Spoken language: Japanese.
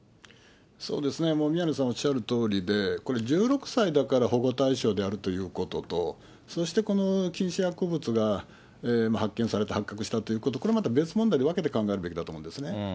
そうですね、宮根さんおっしゃるとおりで、これ、１６歳だから保護対象であるということと、そしてこの禁止薬物が発見された、発覚したということ、これまた別問題で、分けて考えるべきだと思うんですね。